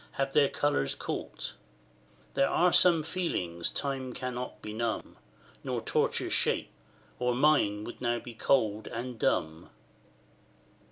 have their colours caught: There are some feelings Time cannot benumb, Nor torture shake, or mine would now be cold and dumb.